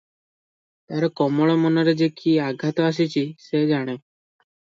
ତାର କୋମଳ ମନରେ ଯେ କି ଆଘାତ ଆସିଚି ସେ ଜାଣେ ।